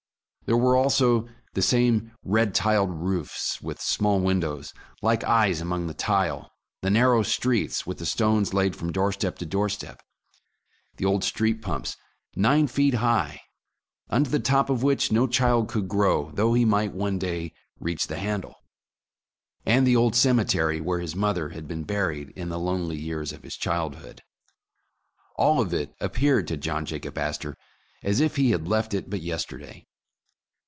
There were, also, the same red tiled roofs, with small windows like eyes among the tile; the narrow streets, with the stones laid from doorstep to doorstep ; the old street pumps nine feet high, unto the top of which no child could grow, though he might one day reach the 255 / The Original John Jacob Astor handle; and the old cemetery, where his mother had been buried in the lonely years of his childhood. All of it appeared to John Jacob Astor as if he had left it but yesterday.